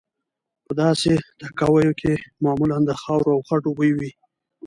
په داسې تاکاویو کې معمولا د خاورو او خټو بوی وي.